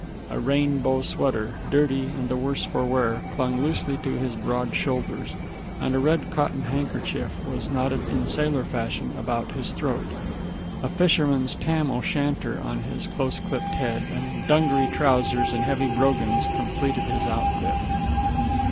A rainbow sweater, dirty and the worse for wear, clung loosely to his broad shoulders, and a red cotton handkerchief was knotted in sailor fashion about his throat. A fisherman's tam o' shanter on his close clipped head, and dungaree trousers and heavy brogans completed his outfit.